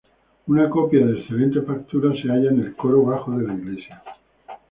Una copia de excelente factura se halla en el coro bajo de la iglesia.